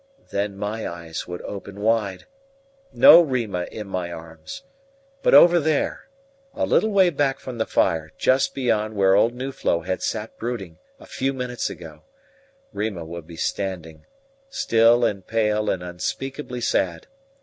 Then my eyes would open wide. No Rima in my arms! But over there, a little way back from the fire, just beyond where old Nuflo had sat brooding a few minutes ago, Rima would be standing, still and pale and unspeakably sad.